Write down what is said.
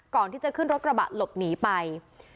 ก่อนที่จะขึ้นรถกระบะหลบหนีไป